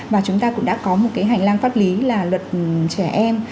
và chúng ta cũng đã có một cái hành lang pháp lý là luật trẻ em